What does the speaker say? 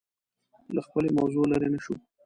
له خپلې موضوع لرې نه شو